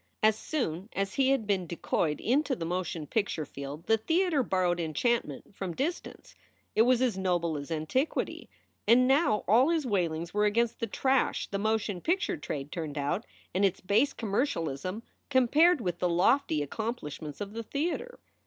As soon as he had been decoyed into the motion picture field the theater borrowed enchantment from distance. It was as noble as antiquity. And now all his wailings were against the trash the motion picture trade turned out and its base commercialism compared with the lofty accom plishments of the theater.